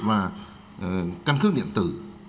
và căn cước điện tử